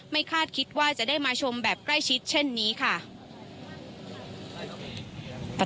คาดคิดว่าจะได้มาชมแบบใกล้ชิดเช่นนี้ค่ะ